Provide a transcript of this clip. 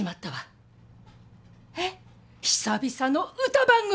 久々の歌番組！